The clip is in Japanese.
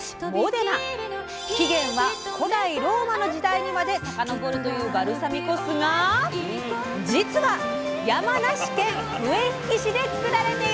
起源は古代ローマの時代にまで遡るというバルサミコ酢がじつは山梨県笛吹市で作られているんです！